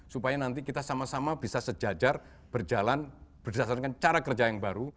supaya nanti kita sama sama bisa sejajar berjalan berdasarkan cara kerja yang baru